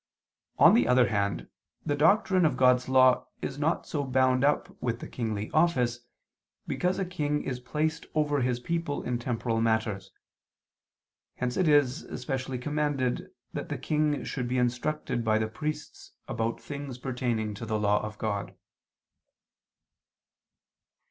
On the other hand, the doctrine of God's law is not so bound up with the kingly office, because a king is placed over his people in temporal matters: hence it is especially commanded that the king should be instructed by the priests about things pertaining to the law of God.